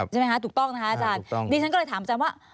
ถูกต้องนะคะอาจารย์ดิฉันก็เลยถามอาจารย์ว่า